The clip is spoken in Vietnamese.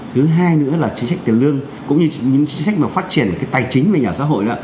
thứ hai nữa là chính sách tiền lương cũng như những chính sách mà phát triển cái tài chính về nhà ở xã hội đó